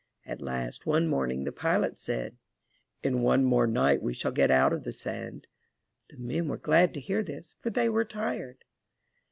At last one morning the pilot said: ''In one more night we shall get out of the sand.*' The men were glad to hear this, for they were tired.